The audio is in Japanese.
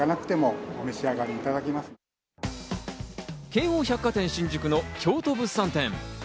京王百貨店新宿の京都物産展。